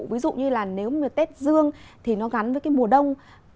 ví dụ như là nếu mà tết dương thì nó gắn với cái mùa đông